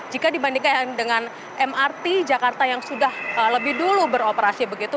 jika dibandingkan dengan mrt jakarta yang sudah lebih dulu beroperasi begitu